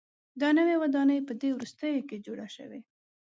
دا نوې ودانۍ په دې وروستیو کې جوړه شوې.